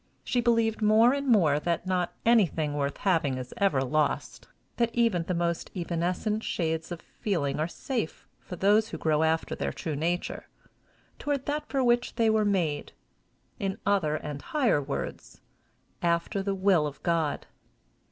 She believed more and more that not anything worth having is ever lost; that even the most evanescent shades of feeling are safe for those who grow after their true nature, toward that for which they were made in other and higher words, after the will of God.